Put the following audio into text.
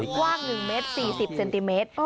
กว้าง๑เมตร๔๐เซนติเมตร